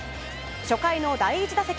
初回の第１打席。